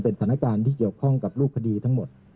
เป็นสถานการณ์ที่เกี่ยวข้องกับรูปคดีทั้งหมด